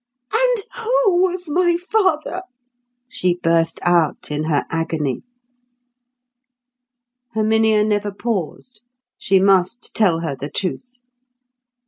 "And who was my father?" she burst out in her agony. Herminia never paused. She must tell her the truth.